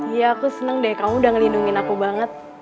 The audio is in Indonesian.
iya aku seneng deh kamu udah ngelindungin aku banget